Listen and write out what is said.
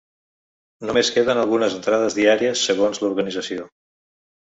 Només queden algunes entrades diàries, segons l’organització.